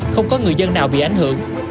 không có người dân nào bị ảnh hưởng